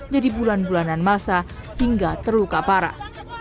jadi bulan bulanan masa hingga terluka parah